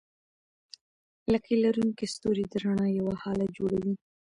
لکۍ لرونکي ستوري د رڼا یوه هاله جوړوي.